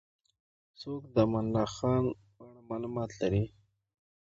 څوک د امان الله خان په اړه معلومات لري؟